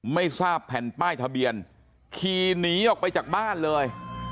ไม่ทราบแผ่นป้ายทะเบียนขี่หนีออกไปจากบ้านเลย